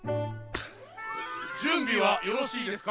じゅんびはよろしいですか？